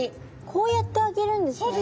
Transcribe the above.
こうやってあげるんですね。